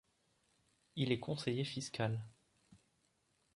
Il est conseiller fiscal.